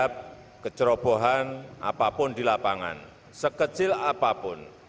hormat senjata rakyat